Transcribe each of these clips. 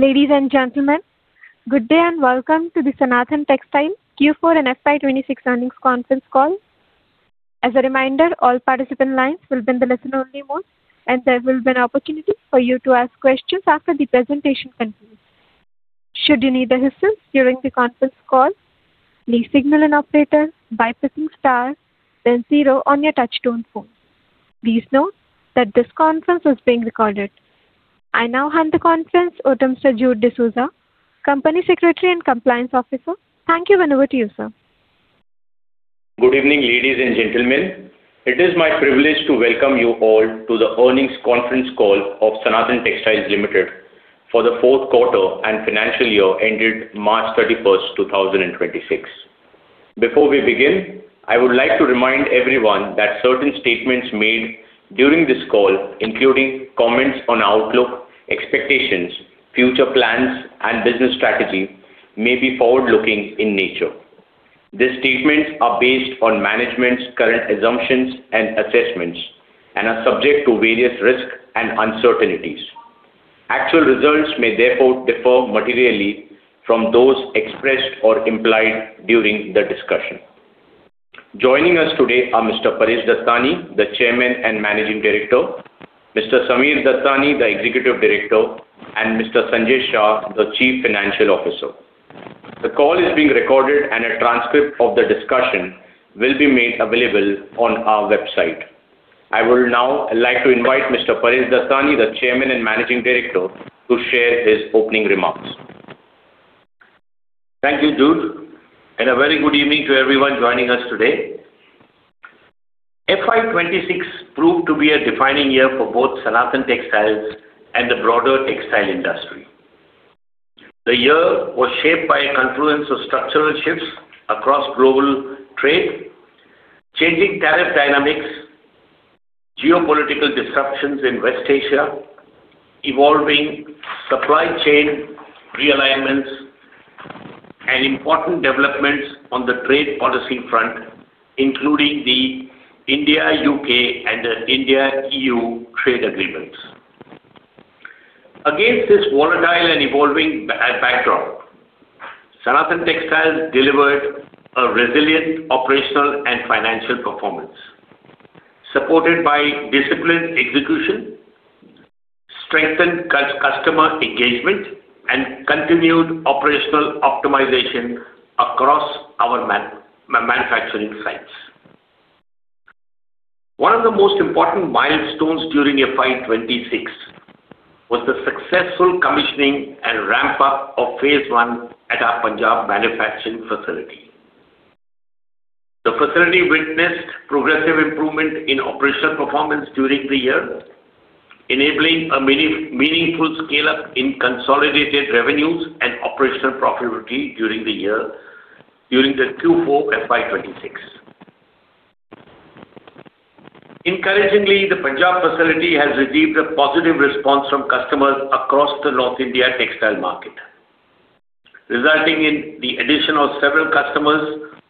Ladies and gentlemen, good day and welcome to the Sanathan Textiles Q4 and FY 2026 earnings conference call. As a reminder, all participant lines will be in the listen-only mode, and there will be an opportunity for you to ask questions after the presentation concludes. Should you need assistance during the conference call, please signal an operator by pressing star then zero on your touchtone phone. Please note that this conference is being recorded. I now hand the conference over to Mr. Jude Patrick Dsouza, Company Secretary and Compliance Officer. Thank you, and over to you, sir. Good evening, ladies and gentlemen. It is my privilege to welcome you all to the earnings conference call of Sanathan Textiles Limited for the Q4 and financial year ended March 31, 2026. Before we begin, I would like to remind everyone that certain statements made during this call, including comments on outlook, expectations, future plans, and business strategy, may be forward-looking in nature. These statements are based on management's current assumptions and assessments and are subject to various risks and uncertainties. Actual results may therefore differ materially from those expressed or implied during the discussion. Joining us today are Mr. Paresh Dattani, the Chairman and Managing Director, Mr. Sammir Dattani, the Executive Director, and Mr. Sanjay Anirudh Shah, the Chief Financial Officer. The call is being recorded, and a transcript of the discussion will be made available on our website. I would now like to invite Mr. Paresh Dattani, the Chairman and Managing Director, to share his opening remarks. Thank you, Jude, and a very good evening to everyone joining us today. FY 2026 proved to be a defining year for both Sanathan Textiles and the broader textile industry. The year was shaped by a confluence of structural shifts across global trade, changing tariff dynamics, geopolitical disruptions in West Asia, evolving supply chain realignments, and important developments on the trade policy front, including the India-U.K. and the India-EU Trade Agreements. Against this volatile and evolving background, Sanathan Textiles delivered a resilient operational and financial performance, supported by disciplined execution, strengthened customer engagement, and continued operational optimization across our manufacturing sites. One of the most important milestones during FY 2026 was the successful commissioning and ramp-up of phase I at our Punjab manufacturing facility. The facility witnessed progressive improvement in operational performance during the year, enabling a meaningful scale-up in consolidated revenues and operational profitability during the Q4 FY 2026. Encouragingly, the Punjab facility has received a positive response from customers across the North India textile market, resulting in the addition of several customers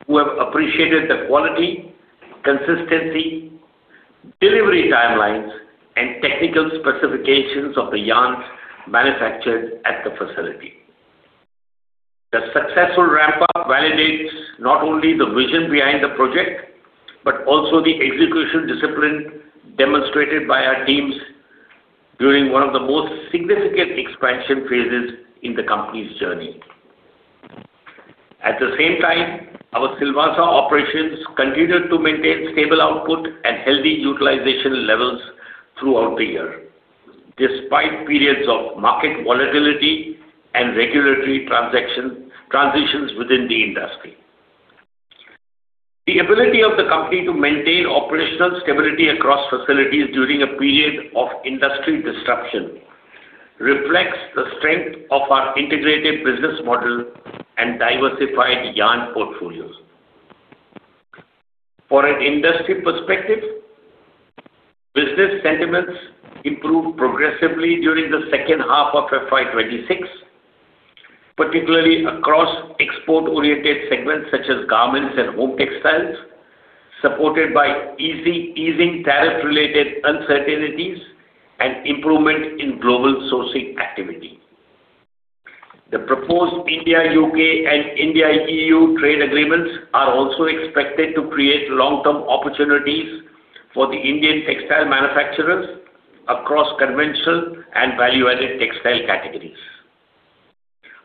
who have appreciated the quality, consistency, delivery timelines, and technical specifications of the yarns manufactured at the facility. The successful ramp-up validates not only the vision behind the project but also the execution discipline demonstrated by our teams during one of the most significant expansion phases in the company's journey. At the same time, our Silvassa operations continued to maintain stable output and healthy utilization levels throughout the year, despite periods of market volatility and regulatory transitions within the industry. The ability of the company to maintain operational stability across facilities during a period of industry disruption reflects the strength of our integrated business model and diversified yarn portfolios. For an industry perspective, business sentiments improved progressively during the H2 of FY 2026, particularly across export-oriented segments such as garments and home textiles, supported by easing tariff-related uncertainties and improvement in global sourcing activity. The proposed India-U.K. and India-EU trade agreements are also expected to create long-term opportunities for the Indian textile manufacturers across conventional and value-added textile categories.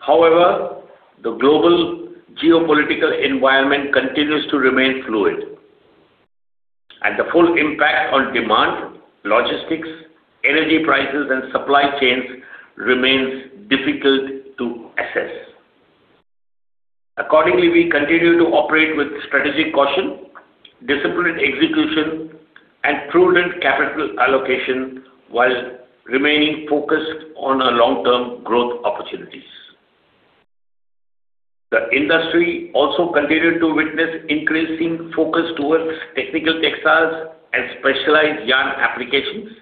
However, the global geopolitical environment continues to remain fluid and the full impact on demand, logistics, energy prices, and supply chains remains difficult to assess. Accordingly, we continue to operate with strategic caution, disciplined execution, and prudent capital allocation while remaining focused on our long-term growth opportunities. The industry also continued to witness increasing focus towards technical textiles and specialized yarn applications,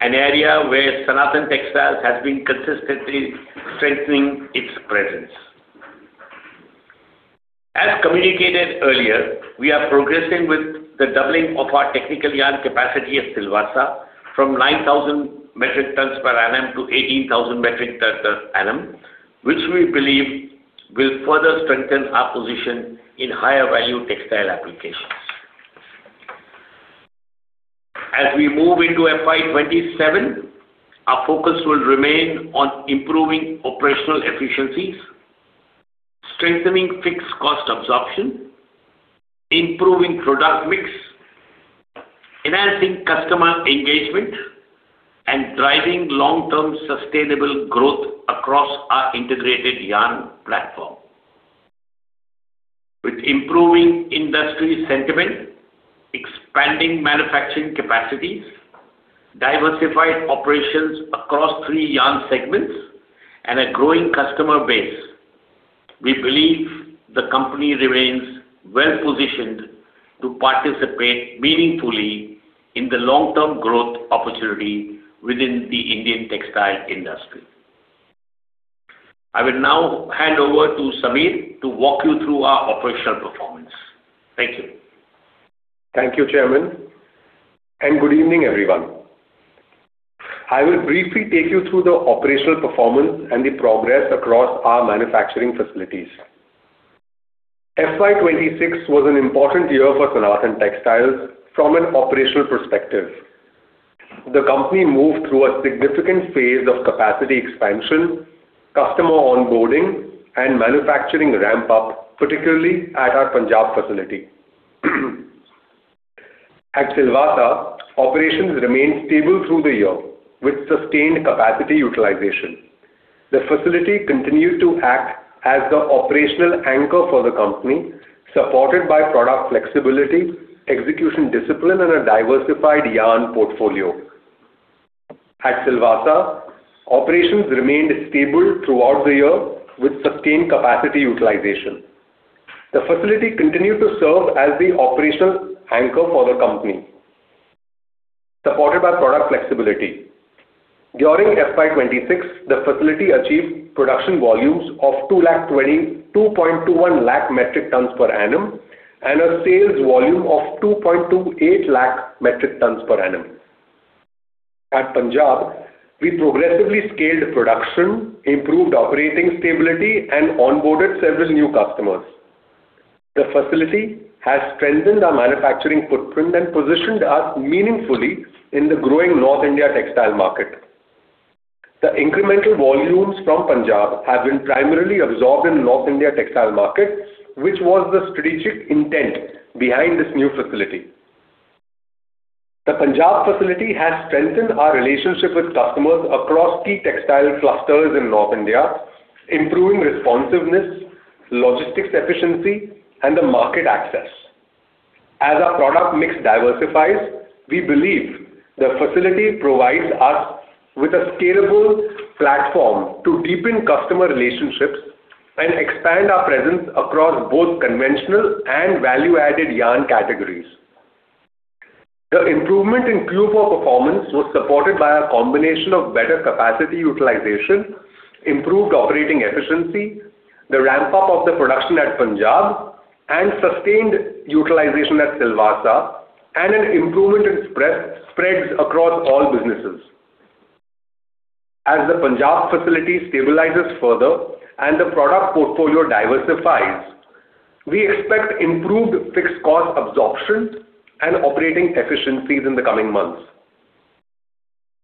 an area where Sanathan Textiles has been consistently strengthening its presence. As communicated earlier, we are progressing with the doubling of our technical yarn capacity at Silvassa from 9,000 metric tons per annum to 18,000 metric tons per annum, which we believe will further strengthen our position in higher value textile applications. As we move into FY 2027, our focus will remain on improving operational efficiencies, strengthening fixed cost absorption, improving product mix, enhancing customer engagement, and driving long-term sustainable growth across our integrated yarn platform. With improving industry sentiment, expanding manufacturing capacities, diversified operations across three yarn segments, and a growing customer base, we believe the company remains well-positioned to participate meaningfully in the long-term growth opportunity within the Indian textile industry. I will now hand over to Sammir to walk you through our operational performance. Thank you. Thank you, Chairman, good evening, everyone. I will briefly take you through the operational performance and the progress across our manufacturing facilities. FY 2026 was an important year for Sanathan Textiles from an operational perspective. The company moved through a significant phase of capacity expansion, customer onboarding, and manufacturing ramp up, particularly at our Punjab facility. At Silvassa, operations remained stable through the year with sustained capacity utilization. The facility continued to act as the operational anchor for the company, supported by product flexibility, execution discipline, and a diversified yarn portfolio. At Silvassa, operations remained stable throughout the year with sustained capacity utilization. The facility continued to serve as the operational anchor for the company, supported by product flexibility. During FY 2026, the facility achieved production volumes of 2.21 lakh metric tons per annum and a sales volume of 2.28 lakh metric tons per annum. At Punjab, we progressively scaled production, improved operating stability, and onboarded several new customers. The facility has strengthened our manufacturing footprint and positioned us meaningfully in the growing North India textile market. The incremental volumes from Punjab have been primarily absorbed in North India textile market, which was the strategic intent behind this new facility. The Punjab facility has strengthened our relationship with customers across key textile clusters in North India, improving responsiveness, logistics efficiency, and the market access. As our product mix diversifies, we believe the facility provides us with a scalable platform to deepen customer relationships and expand our presence across both conventional and value-added yarn categories. The improvement in Q4 performance was supported by a combination of better capacity utilization, improved operating efficiency, the ramp-up of the production at Punjab and sustained utilization at Silvassa, and an improvement in spreads across all businesses. As the Punjab facility stabilizes further and the product portfolio diversifies, we expect improved fixed cost absorption and operating efficiencies in the coming months.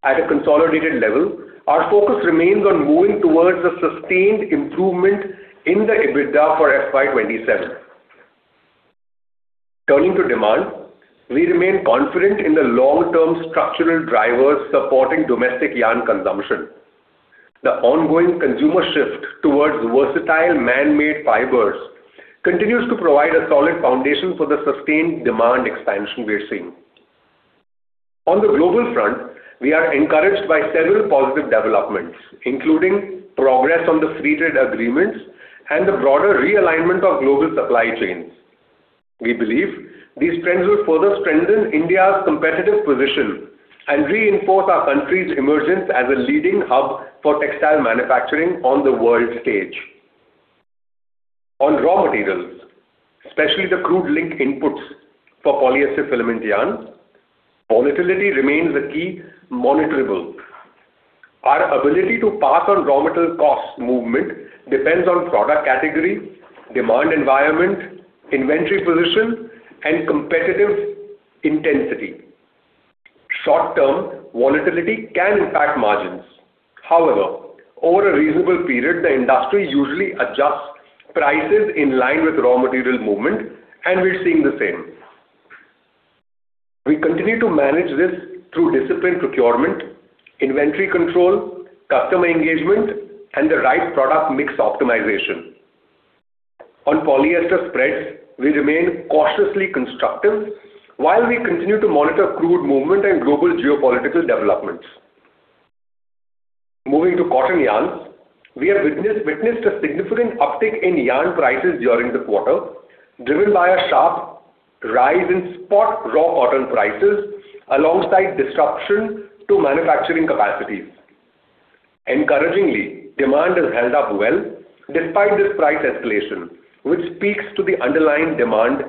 At a consolidated level, our focus remains on moving towards a sustained improvement in the EBITDA for FY 2027. Turning to demand, we remain confident in the long-term structural drivers supporting domestic yarn consumption. The ongoing consumer shift towards versatile man-made fibers continues to provide a solid foundation for the sustained demand expansion we're seeing. On the global front, we are encouraged by several positive developments, including progress on the free trade agreements and the broader realignment of global supply chains. We believe these trends will further strengthen India's competitive position and reinforce our country's emergence as a leading hub for textile manufacturing on the world stage. On raw materials, especially the crude-linked inputs for polyester filament yarn, volatility remains a key monitorable. Our ability to pass on raw material cost movement depends on product category, demand environment, inventory position, and competitive intensity. Short-term volatility can impact margins. However, over a reasonable period, the industry usually adjusts prices in line with raw material movement, and we're seeing the same. We continue to manage this through disciplined procurement, inventory control, customer engagement, and the right product mix optimization. On polyester spreads, we remain cautiously constructive while we continue to monitor crude movement and global geopolitical developments. Moving to cotton yarns, we have witnessed a significant uptick in yarn prices during the quarter, driven by a sharp rise in spot raw cotton prices alongside disruption to manufacturing capacities. Encouragingly, demand has held up well despite this price escalation, which speaks to the underlying demand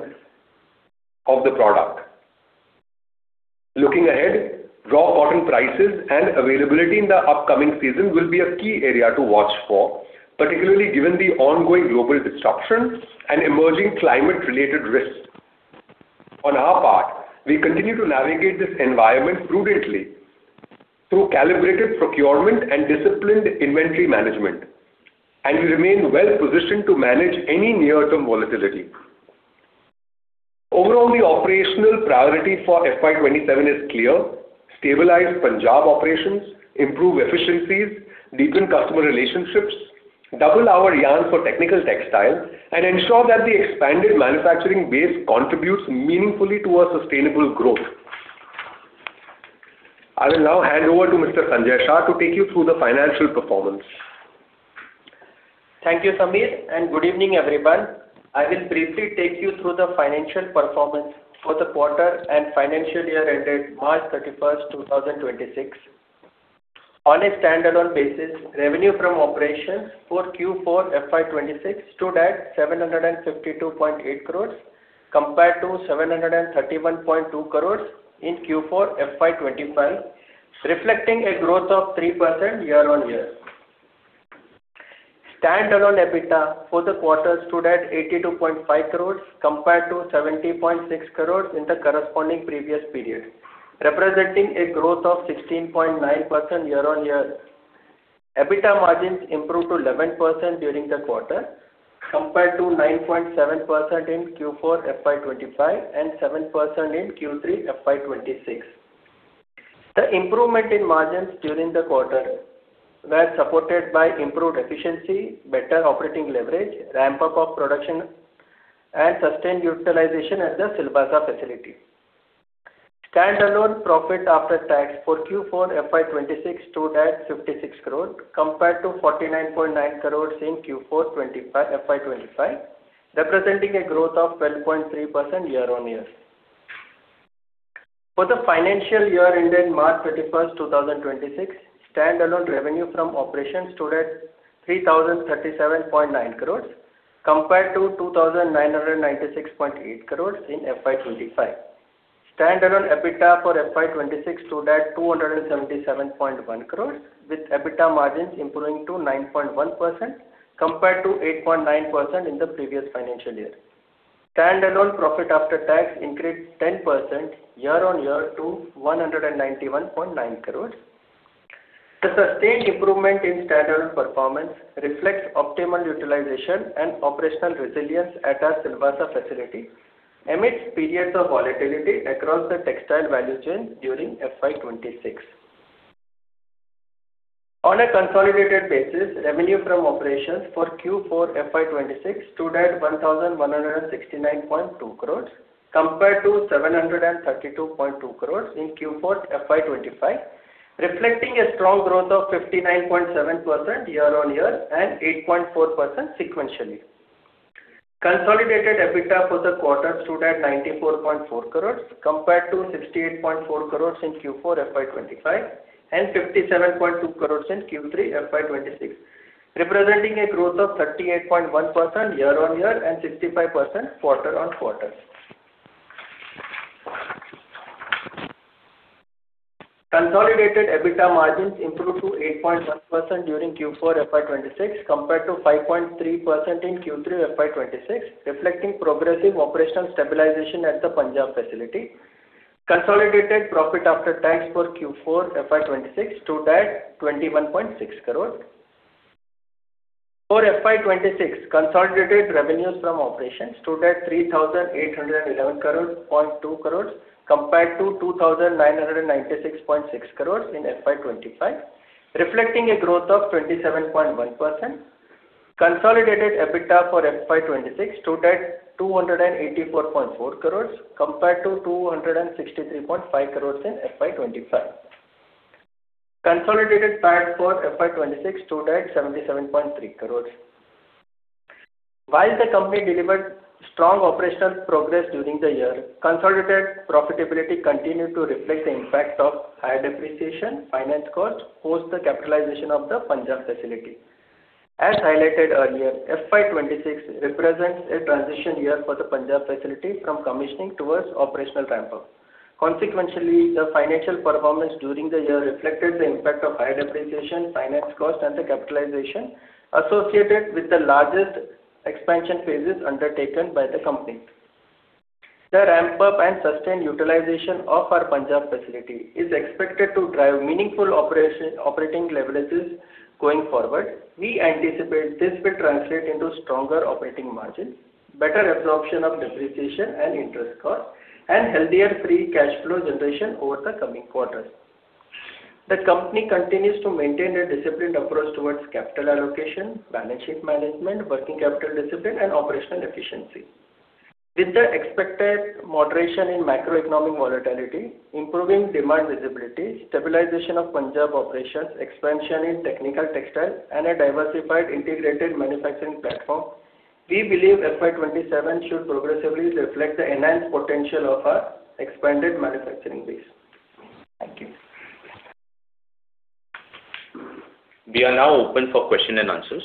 of the product. Looking ahead, raw cotton prices and availability in the upcoming season will be a key area to watch for, particularly given the ongoing global disruption and emerging climate-related risks. On our part, we continue to navigate this environment prudently through calibrated procurement and disciplined inventory management, and we remain well-positioned to manage any near-term volatility. Overall, the operational priority for FY 2027 is clear. Stabilize Punjab operations, improve efficiencies, deepen customer relationships, double our yarn for technical textile, and ensure that the expanded manufacturing base contributes meaningfully to our sustainable growth. I will now hand over to Mr. Sanjay Shah to take you through the financial performance. Thank you, Sammir, and good evening, everyone. I will briefly take you through the financial performance for the quarter and financial year ended March 31st, 2026. On a standalone basis, revenue from operations for Q4 FY 2026 stood at 752.8 crores compared to 731.2 crores in Q4 FY 2025, reflecting a growth of 3% year-on-year. Standalone EBITDA for the quarter stood at 82.5 crores compared to 70.6 crores in the corresponding previous period, representing a growth of 16.9% year-on-year. EBITDA margins improved to 11% during the quarter compared to 9.7% in Q4 FY 2025 and 7% in Q3 FY 2026. The improvement in margins during the quarter were supported by improved efficiency, better operating leverage, ramp-up of production, and sustained utilization at the Silvassa facility. Standalone profit after tax for Q4 FY 2026 stood at 56 crores compared to 49.9 crores in Q4 FY 2025, representing a growth of 12.3% year-on-year. For the financial year ended March 31, 2026, standalone revenue from operations stood at 3,037.9 crores compared to 2,996.8 crores in FY 2025. Standalone EBITDA for FY 2026 stood at 277.1 crores, with EBITDA margins improving to 9.1% compared to 8.9% in the previous financial year. Standalone profit after tax increased 10% year-on-year to 191.9 crores. The sustained improvement in standalone performance reflects optimal utilization and operational resilience at our Silvassa facility amidst periods of volatility across the textile value chain during FY 2026. On a consolidated basis, revenue from operations for Q4 FY 2026 stood at 1,169.2 crores compared to 732.2 crores in Q4 FY 2025, reflecting a strong growth of 59.7% year-on-year and 8.4% sequentially. Consolidated EBITDA for the quarter stood at 94.4 crores compared to 68.4 crores in Q4 FY 2025 and 57.2 crores in Q3 FY 2026, representing a growth of 38.1% year-on-year and 65% quarter-on-quarter. Consolidated EBITDA margins improved to 8.1% during Q4 FY 2026 compared to 5.3% in Q3 FY 2026, reflecting progressive operational stabilization at the Punjab facility. Consolidated profit after tax for Q4 FY 2026 stood at INR 21.6 crores. For FY 2026, consolidated revenues from operations stood at 3,811.2 crores compared to 2,996.6 crores in FY 2025, reflecting a growth of 27.1%. Consolidated EBITDA for FY 2026 stood at 284.4 crores compared to 263.5 crores in FY 2025. Consolidated PAT for FY 2026 stood at INR 77.3 crores. While the company delivered strong operational progress during the year, consolidated profitability continued to reflect the impact of higher depreciation, finance costs post the capitalization of the Punjab facility. As highlighted earlier, FY 2026 represents a transition year for the Punjab facility from commissioning towards operational ramp-up. Consequentially, the financial performance during the year reflected the impact of higher depreciation, finance costs, and the capitalization associated with the largest expansion phases undertaken by the company. The ramp-up and sustained utilization of our Punjab facility is expected to drive meaningful operating leverages going forward. We anticipate this will translate into stronger operating margins, better absorption of depreciation and interest costs, and healthier free cash flow generation over the coming quarters. The company continues to maintain a disciplined approach towards capital allocation, balance sheet management, working capital discipline, and operational efficiency. With the expected moderation in macroeconomic volatility, improving demand visibility, stabilization of Punjab operations, expansion in technical textile, and a diversified integrated manufacturing platform. We believe FY 2027 should progressively reflect the enhanced potential of our expanded manufacturing base. Thank you. We are now open for question and answers.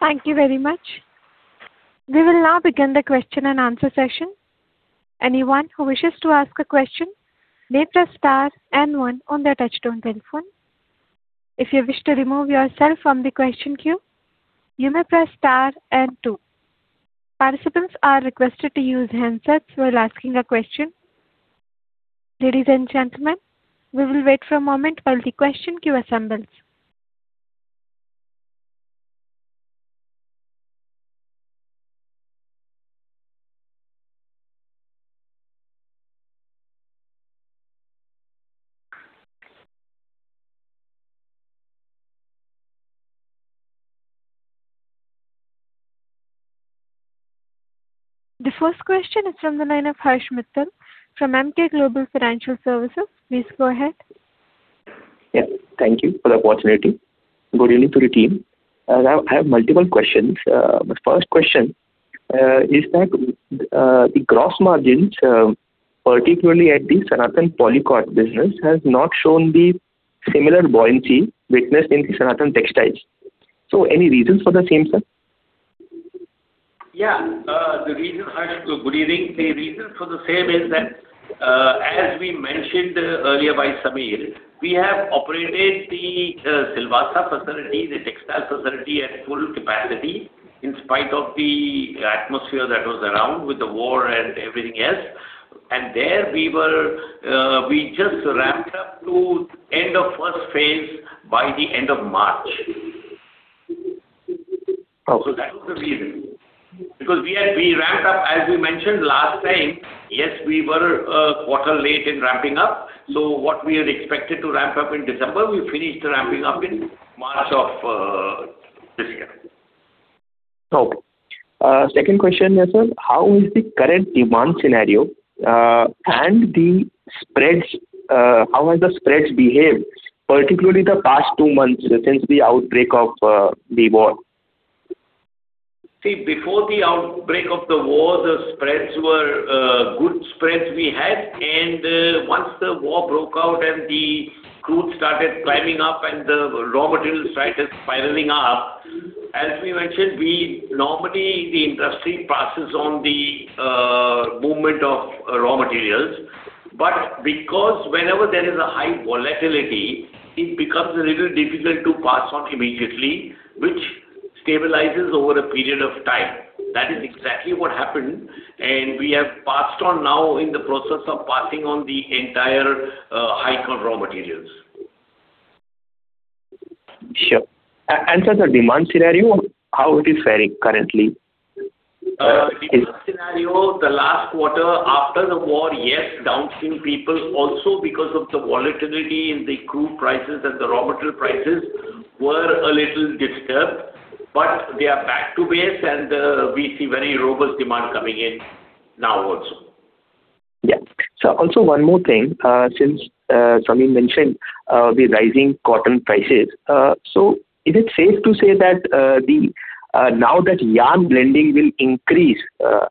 Thank you very much. We will now begin the question and answer session. Anyone who wishes to ask a question, may press star one on their touchtone telephone. If you wish to remove yourself from the question queue, you may press star two. Participants are requested to use handsets while asking a question. Ladies and gentlemen, we will wait for a moment while the question queue assembles. The first question is from the line of Harsh Mittal from Emkay Global Financial Services. Please go ahead. Yeah. Thank you for the opportunity. Good evening to the team. Now I have multiple questions. My first question is that the gross margins particularly at the Sanathan Polycot business, has not shown the similar buoyancy witnessed in the Sanathan Textiles. Any reasons for the same, sir? Harsh, good evening. The reason for the same is that, as we mentioned earlier by Sammir, we have operated the Silvassa facility, the textile facility at full capacity, in spite of the atmosphere that was around with the war and everything else. There we were, we just ramped up to end of first phase by the end of March. Okay. That was the reason. We ramped up, as we mentioned last time, yes, we were quarter late in ramping up. What we had expected to ramp up in December, we finished ramping up in March of this year. Okay. second question here, sir. How is the current demand scenario, and the spreads, how has the spreads behaved, particularly the past two months since the outbreak of the war? Before the outbreak of the war, the spreads were good spreads we had. Once the war broke out and the crude started climbing up and the raw material prices spiraling up, as we mentioned, we normally, the industry passes on the movement of raw materials. Because whenever there is a high volatility, it becomes a little difficult to pass on immediately, which stabilizes over a period of time. That is exactly what happened, and we have passed on now, in the process of passing on the entire hike on raw materials. Sure. Sir, the demand scenario, how it is faring currently? Demand scenario, the last quarter after the war, yes, downstream people also because of the volatility in the crude prices and the raw material prices were a little disturbed, they are back to base and we see very robust demand coming in now also. Yeah. Sir, one more thing. Since Sammir mentioned the rising cotton prices. Is it safe to say that the now that yarn blending will increase,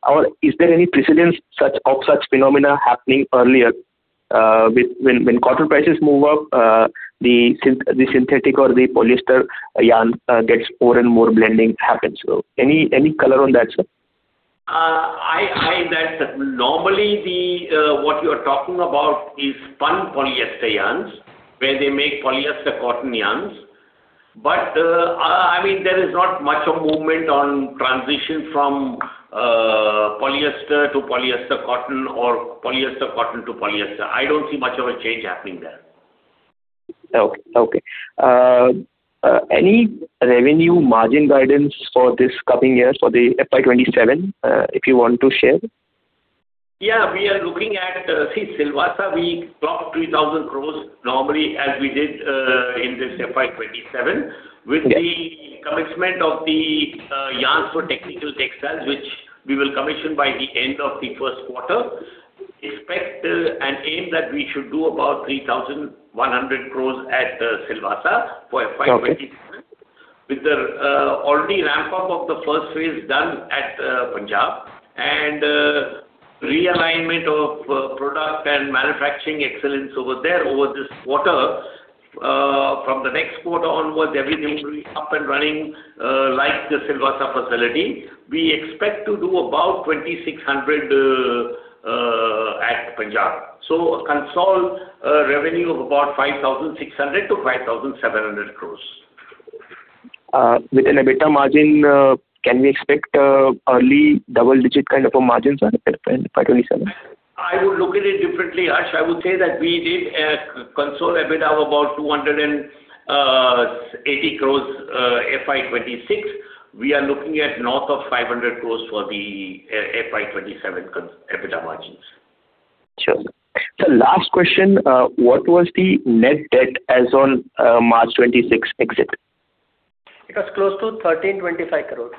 or is there any precedence such, of such phenomena happening earlier, with when cotton prices move up, the synthetic or the polyester yarn gets more and more blending happens. Any color on that, sir? That normally the what you're talking about is spun polyester yarns, where they make polyester cotton yarns. I mean, there is not much of movement on transition from polyester to polyester cotton or polyester cotton to polyester. I don't see much of a change happening there. Okay. Any revenue margin guidance for this coming year for the FY 2027, if you want to share? Yeah. We are looking at, see, Silvassa we topped 3,000 crores normally as we did in this FY 2027. Yeah. With the commencement of the yarns for technical textiles, which we will commission by the end of the Q1, expect an aim that we should do about 3,100 crores at Silvassa for FY 2027. Okay. With the already ramp up of the first phase done at Punjab and realignment of product and manufacturing excellence over there over this quarter, from the next quarter onwards, everything will be up and running like the Silvassa facility. We expect to do about 2,600 at Punjab. A consolidated revenue of about 5,600 crore-5,700 crore. With an EBITDA margin, can we expect early double-digit kind of a margins on FY 2027? I would look at it differently, Harsh. I would say that we did a consolidated EBITDA of about 280 crores, FY 2026. We are looking at north of 500 crores for the FY 2027 EBITDA margins. Sure. Sir, last question. What was the net debt as on March 26th exit? It was close to 1,325 crores.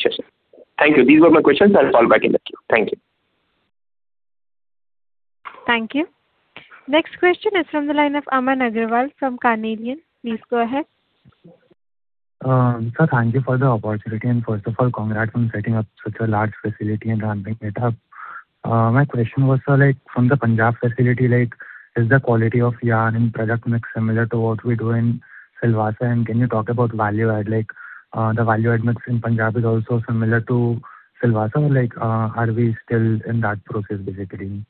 Sure, sir. Thank you. These were my questions. I'll fall back in the queue. Thank you. Thank you. Next question is from the line of Aman Agarwal from Carnelian. Please go ahead. Sir, thank you for the opportunity, and first of all, congrats on setting up such a large facility and ramping it up. My question was, like from the Punjab facility, like is the quality of yarn and product mix similar to what we do in Silvassa? Can you talk about value add, like, the value add mix in Punjab is also similar to Silvassa, or like, are we still in that process basically?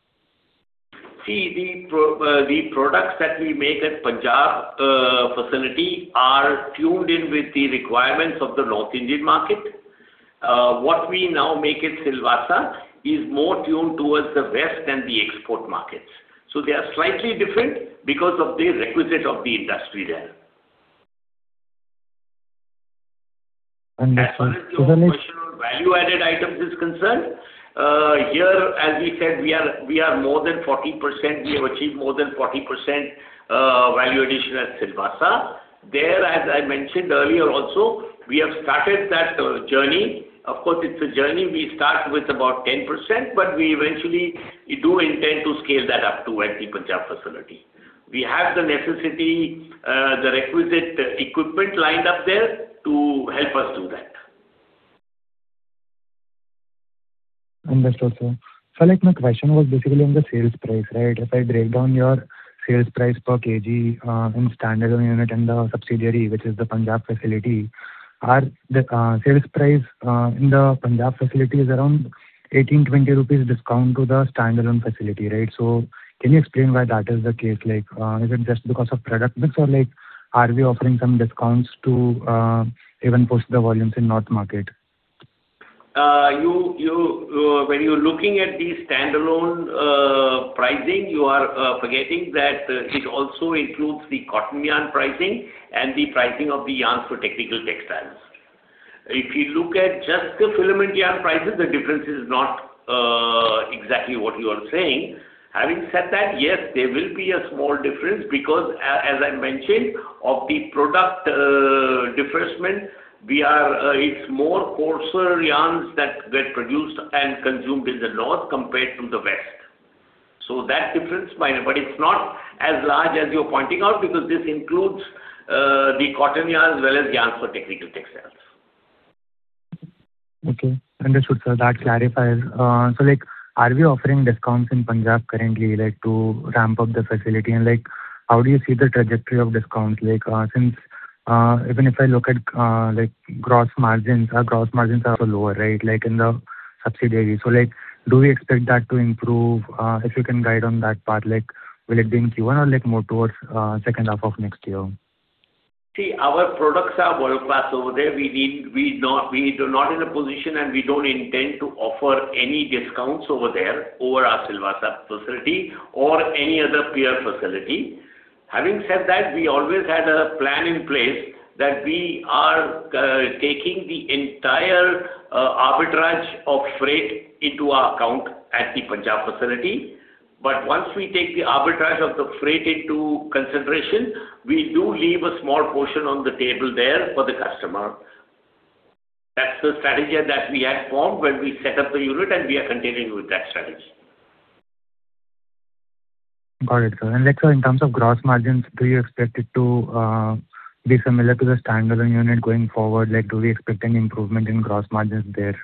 The products that we make at Punjab facility are tuned in with the requirements of the North Indian market. What we now make at Silvassa is more tuned towards the West and the export markets. They are slightly different because of the requisite of the industry there. Understood. As far as your question on value-added items is concerned, here, as we said, we are more than 40%. We have achieved more than 40%, value addition at Silvassa. There, as I mentioned earlier also, we have started that journey. Of course, it's a journey. We start with about 10%, but we eventually, we do intend to scale that up to at the Punjab facility. We have the necessity, the requisite equipment lined up there to help us do that. Understood, sir. Like my question was basically on the sales price, right? If I break down your sales price per kg, in standalone unit and the subsidiary, which is the Punjab facility, are the sales price in the Punjab facility is around 18-20 rupees discount to the standalone facility, right? Can you explain why that is the case? Like, is it just because of product mix or like are we offering some discounts to even push the volumes in north market? When you're looking at the standalone pricing, you are forgetting that it also includes the cotton yarn pricing and the pricing of the yarns for technical textiles. If you look at just the filament yarn prices, the difference is not exactly what you are saying. Having said that, yes, there will be a small difference because as I mentioned, of the product diversement, it's more coarser yarns that get produced and consumed in the North compared to the West. That difference is minor. It's not as large as you're pointing out because this includes the cotton yarn as well as yarns for technical textiles. Okay. Understood, sir. That clarifies. Are we offering discounts in Punjab currently, like to ramp up the facility? How do you see the trajectory of discounts like, since, even if I look at, like gross margins, our gross margins are also lower, right, like in the subsidiary? Do we expect that to improve? If you can guide on that part, like will it be in Q1 or like more towards second half of next year? Our products are world-class over there. We do not in a position, and we don't intend to offer any discounts over there over our Silvassa facility or any other peer facility. Having said that, we always had a plan in place that we are taking the entire arbitrage of freight into our account at the Punjab facility. Once we take the arbitrage of the freight into consideration, we do leave a small portion on the table there for the customer. That's the strategy that we had formed when we set up the unit, and we are continuing with that strategy. Got it, sir. Like, sir, in terms of gross margins, do you expect it to be similar to the standalone unit going forward? Like do we expect any improvement in gross margins there?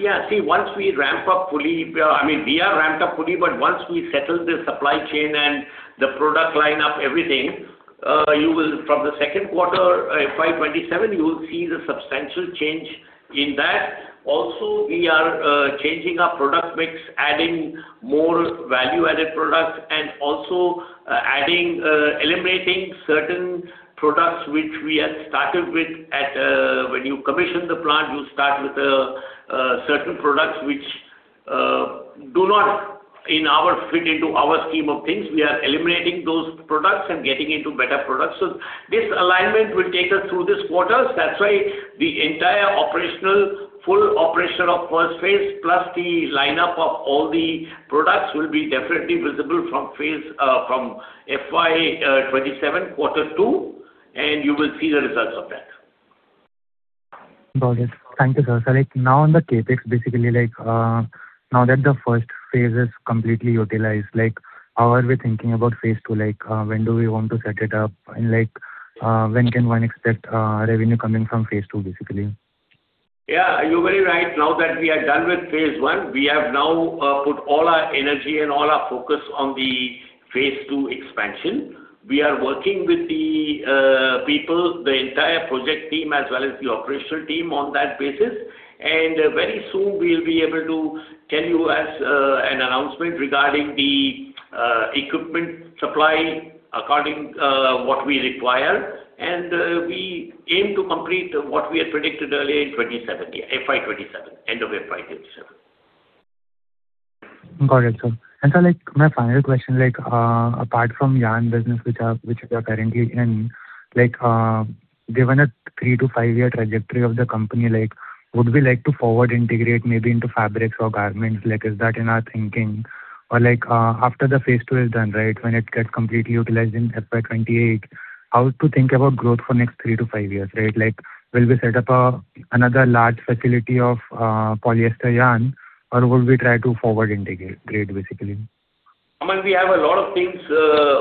Yeah. See, once we ramp up fully, I mean we are ramped up fully, but once we settle the supply chain and the product line up everything, you will from the second quarter, FY 2027, you will see the substantial change in that. Also we are changing our product mix, adding more value-added products and also adding eliminating certain products which we had started with at when you commission the plant, you start with certain products which do not in our fit into our scheme of things. We are eliminating those products and getting into better products. This alignment will take us through this quarters. That's why the entire operational, full operation of first phase, plus the lineup of all the products will be definitely visible from phase from FY 2027, Q2, and you will see the results of that. Got it. Thank you, sir. Now on the CapEx, basically like, now that the first phase is completely utilized, like how are we thinking about phase II? Like, when do we want to set it up and like, when can one expect revenue coming from phase II, basically? Yeah, you're very right. Now that we are done with phase I, we have now put all our energy and all our focus on the phase II expansion. We are working with the people, the entire project team as well as the operational team on that basis. Very soon we'll be able to tell you as an announcement regarding the equipment supply according what we require. We aim to complete what we had predicted earlier in 2027, yeah, FY 2027, end of FY 2027. Got it, sir. Sir, my final question, apart from yarn business which you are currently in, given a three to five-year trajectory of the company, would we like to forward integrate maybe into fabrics or garments? Is that in our thinking? After the phase II is done, right, when it gets completely utilized in FY 2028, how to think about growth for next three to five years, right? Will we set up another large facility of polyester yarn or would we try to forward integrate, grade basically? Aman, we have a lot of things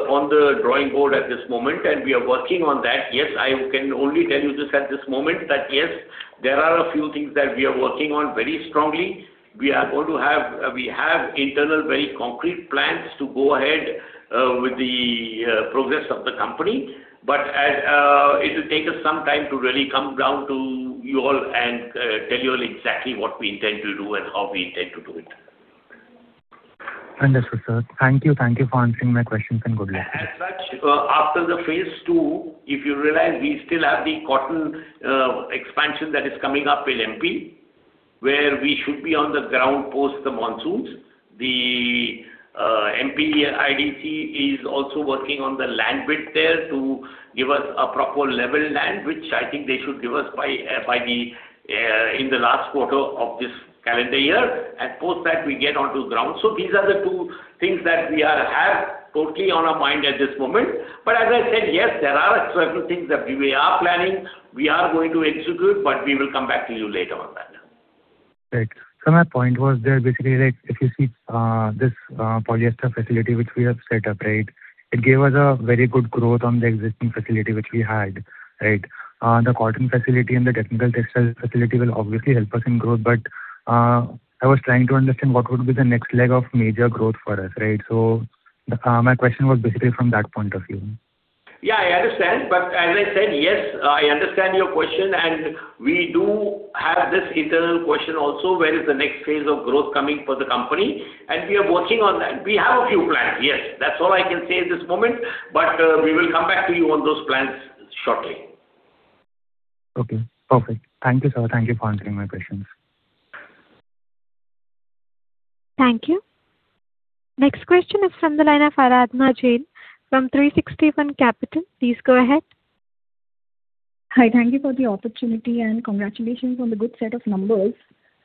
on the drawing board at this moment. We are working on that. Yes, I can only tell you this at this moment that, yes, there are a few things that we are working on very strongly. We have internal very concrete plans to go ahead with the progress of the company. As it will take us some time to really come down to you all and tell you all exactly what we intend to do and how we intend to do it. Understood, sir. Thank you. Thank you for answering my questions, and good luck. As such, after the phase II, if you realize we still have the cotton expansion that is coming up in MP, where we should be on the ground post the monsoons. The MPIDC is also working on the land bid there to give us a proper level land, which I think they should give us by the in the last quarter of this calendar year. Post that, we get onto ground. These are the two things that we have totally on our mind at this moment. As I said, yes, there are certain things that we are planning, we are going to execute, but we will come back to you later on that. Right. My point was that basically, like, if you see this polyester facility which we have set up, right? It gave us a very good growth on the existing facility which we had, right? The cotton facility and the technical textile facility will obviously help us in growth. I was trying to understand what would be the next leg of major growth for us, right? My question was basically from that point of view. Yeah, I understand. As I said, yes, I understand your question, and we do have this internal question also: Where is the next phase of growth coming for the company? We are working on that. We have a few plans, yes. That's all I can say at this moment. We will come back to you on those plans shortly. Okay, perfect. Thank you, sir. Thank you for answering my questions. Thank you. Next question is from the line of Aradhana Jain from 360 ONE Capital. Please go ahead. Hi. Thank you for the opportunity, and congratulations on the good set of numbers.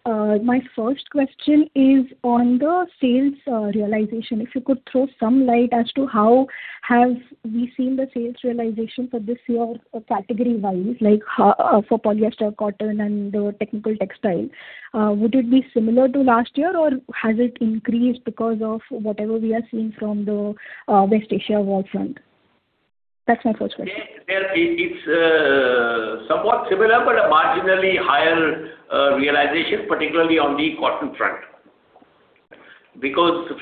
My first question is on the sales realization. If you could throw some light as to how have we seen the sales realization for this year category-wise, like, for polyester, cotton, and the technical textile. Would it be similar to last year, or has it increased because of whatever we are seeing from the West Asia war front? That's my first question. Yeah. Well, it's somewhat similar, but a marginally higher realization, particularly on the cotton front.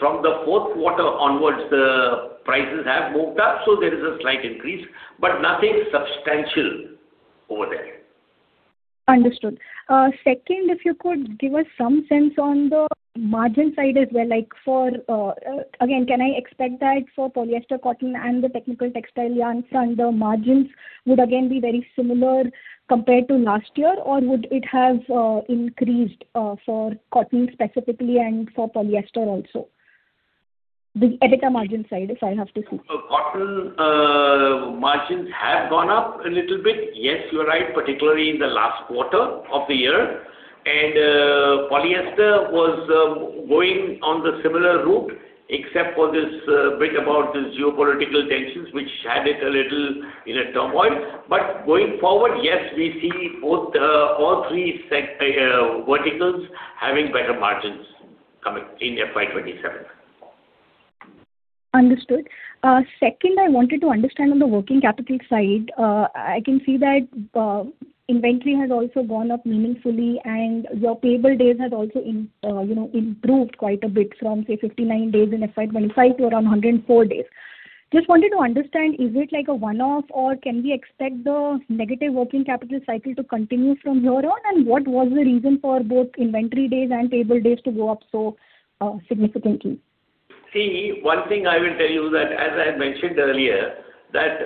From the Q4 onwards, the prices have moved up, so there is a slight increase, but nothing substantial over there. Understood. Second, if you could give us some sense on the margin side as well, like for again, can I expect that for polyester, cotton and the technical textile yarns and the margins would again be very similar compared to last year? Would it have increased for cotton specifically and for polyester also? The EBITDA margin side, if I have to see. Cotton margins have gone up a little bit. Yes, you are right, particularly in the last quarter of the year. Polyester was going on the similar route, except for this bit about the geopolitical tensions, which had it a little in a turmoil. Going forward, yes, we see both, all three verticals having better margins coming in FY 2027. Understood. Second, I wanted to understand on the working capital side. I can see that inventory has also gone up meaningfully, and your payable days has also improved quite a bit from, say, 59 days in FY 2025 to around 104 days. Just wanted to understand, is it like a one-off, or can we expect the negative working capital cycle to continue from here on? What was the reason for both inventory days and payable days to go up so significantly? One thing I will tell you that, as I had mentioned earlier, that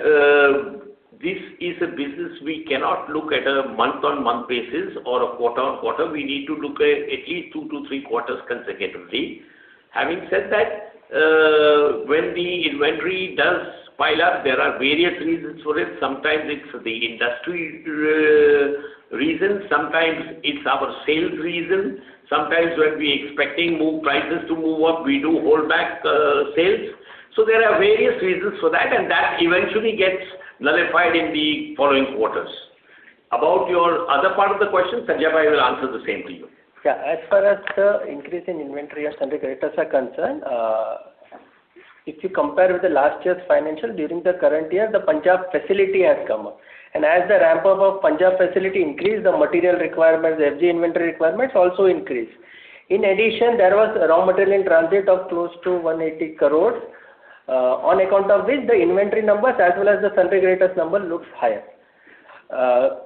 this is a business we cannot look at a month-on-month basis or a quarter-on-quarter. We need to look at at least two to three quarters consecutively. Having said that, when the inventory does pile up, there are various reasons for it. Sometimes it's the industry reason, sometimes it's our sales reason. Sometimes when we're expecting prices to move up, we do hold back sales. There are various reasons for that, and that eventually gets nullified in the following quarters. About your other part of the question, Sanjay Shah will answer the same to you. Yeah. As far as the increase in inventory as compared to creditors are concerned, if you compare with the last year's financial, during the current year, the Punjab facility has come up. As the ramp-up of Punjab facility increased, the material requirements, the FG inventory requirements also increased. In addition, there was raw material in transit of close to 180 crores on account of which the inventory numbers as well as the sundry creditors number looks higher.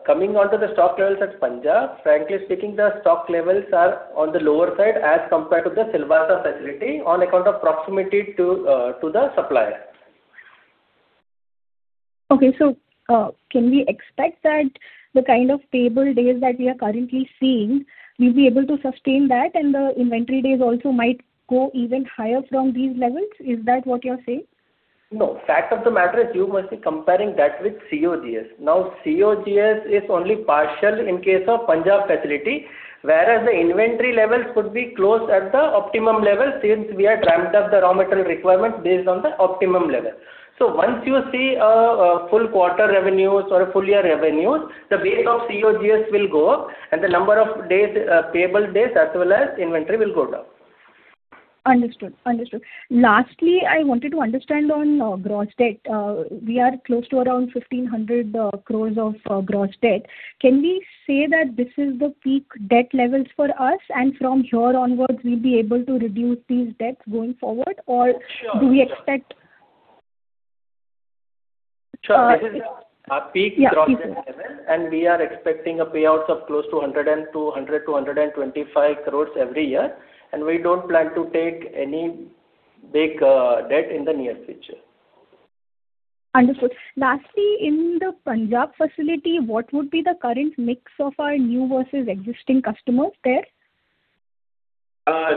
Coming on to the stock levels at Punjab, frankly speaking, the stock levels are on the lower side as compared to the Silvassa facility on account of proximity to the supplier. Okay. Can we expect that the kind of payable days that we are currently seeing, we'll be able to sustain that and the inventory days also might go even higher from these levels? Is that what you're saying? Fact of the matter is you must be comparing that with COGS. COGS is only partial in case of Punjab facility, whereas the inventory levels could be close at the optimum level since we have ramped up the raw material requirement based on the optimum level. Once you see a full quarter revenues or a full year revenues, the base of COGS will go up and the number of days, payable days as well as inventory will go down. Understood. Understood. Lastly, I wanted to understand on gross debt. We are close to around 1,500 crores of gross debt. Can we say that this is the peak debt levels for us, and from here onwards we'll be able to reduce these debts going forward? Sure. Do we expect? Sure. This is our peak gross debt level. Yeah, peak. We are expecting a payouts of close to 200-125 crores every year. We don't plan to take any big debt in the near future. Understood. Lastly, in the Punjab facility, what would be the current mix of our new versus existing customers there?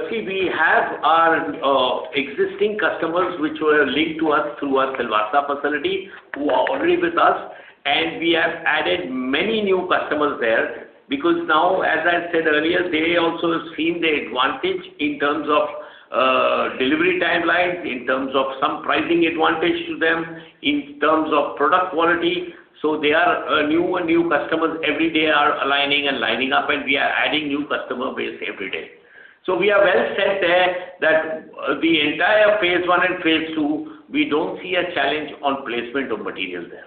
See, we have our existing customers which were linked to us through our Silvassa facility who are already with us, and we have added many new customers there because now, as I said earlier, they also have seen the advantage in terms of delivery timelines, in terms of some pricing advantage to them, in terms of product quality. They are new and new customers every day are aligning and lining up, and we are adding new customer base every day. We are well set there that the entire phase I and phase II, we don't see a challenge on placement of material there.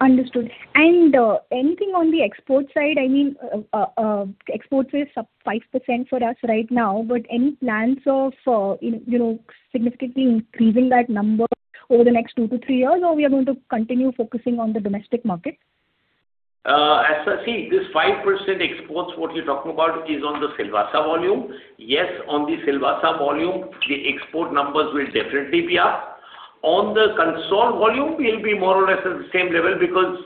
Understood. Anything on the export side? I mean, exports is 5% for us right now, any plans of, you know, significantly increasing that number over the next two to three years, or we are going to continue focusing on the domestic market? As I see, this 5% exports what you're talking about is on the Silvassa volume. Yes, on the Silvassa volume, the export numbers will definitely be up. On the consol volume, we'll be more or less at the same level because,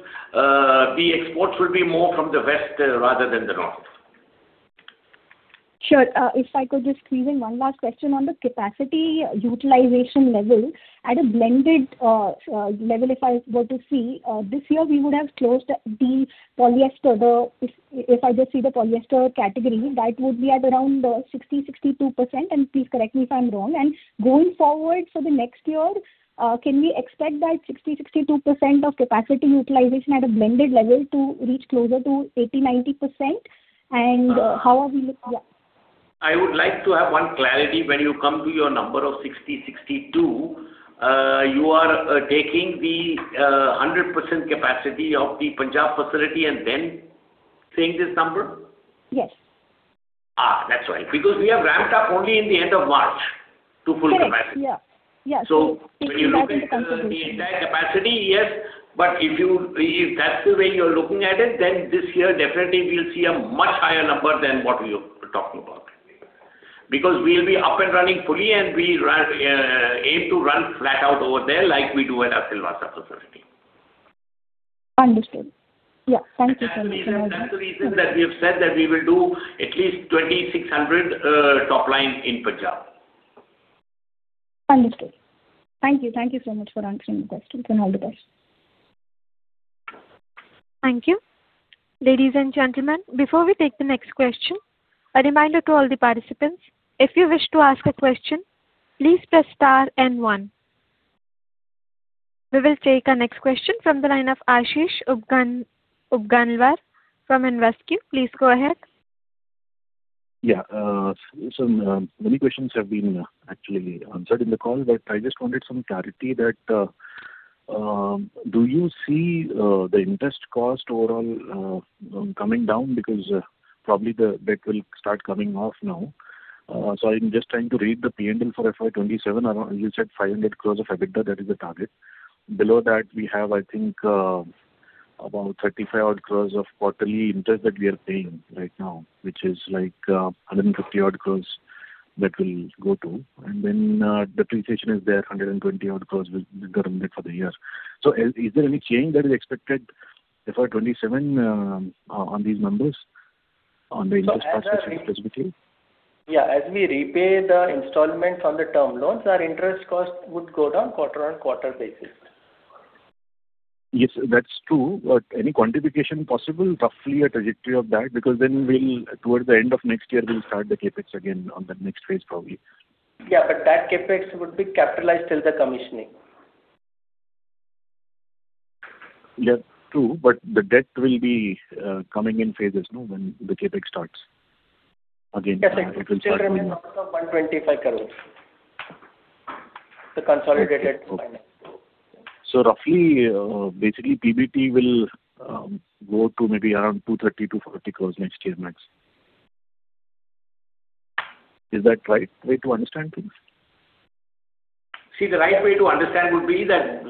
the exports will be more from the west, rather than the north. Sure. If I could just squeeze in one last question on the capacity utilization level. At a blended level if I were to see, this year we would have closed the polyester, if I just see the polyester category, that would be at around 60%, 62%, and please correct me if I'm wrong. Going forward for the next year, can we expect that 60%, 62% of capacity utilization at a blended level to reach closer to 80%, 90%? How are we looking at? I would like to have one clarity. When you come to your number of 60, 62, you are taking the 100% capacity of the Punjab facility and then saying this number? Yes. That's why. We have ramped up only in the end of March to full capacity. Correct. Yeah. When you look at the entire capacity, yes. If that's the way you're looking at it, then this year definitely we'll see a much higher number than what you're talking about. We'll be up and running fully, and we run, aim to run flat out over there like we do at our Silvassa facility. Understood. Yeah. Thank you so much. These are exactly the reasons that we have said that we will do at least 2,600 top line in Punjab. Understood. Thank you. Thank you so much for answering the questions, and all the best. Thank you. Ladies and gentlemen, before we take the next question, a reminder to all the participants, if you wish to ask a question, please press star and one. We will take our next question from the line of Aashish Upganlawar from InvesQ. Please go ahead. Yeah. Many questions have been actually answered in the call, but I just wanted some clarity that, do you see the interest cost overall coming down? Because, probably the debt will start coming off now. I'm just trying to read the P&L for FY 2027. You said 500 crores of EBITDA, that is the target. Below that we have, I think, about 35 odd crores of quarterly interest that we are paying right now, which is like, 150 odd crores that will go to. Then, depreciation is there, 120 odd crores we have guided for the year. Is there any change that is expected FY 2027 on these numbers, on the interest cost? Yeah. As we repay the installments on the term loans, our interest cost would go down quarter-on-quarter basis. Yes, that's true. Any quantification possible, roughly a trajectory of that? Then we'll towards the end of next year we'll start the CapEx again on that next phase probably. Yeah, that CapEx would be capitalized till the commissioning. Yeah, true. The debt will be coming in phases, no? When the CapEx starts again. Yes, it will come in around 125 crores, the consolidated finance. Okay. roughly, basically PBT will go to maybe around 230-240 crores next year max. Is that right way to understand things? See, the right way to understand would be that